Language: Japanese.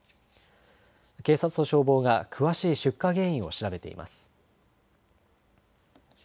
警察と消防が詳しい出火原因を調べています。